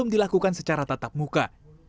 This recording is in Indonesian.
dilakukan secara tatap muka